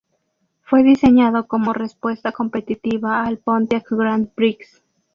Fue diseñado como respuesta competitiva al Pontiac Grand Prix.